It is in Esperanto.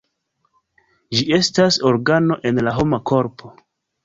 Ĝi estas organo en la homa korpo.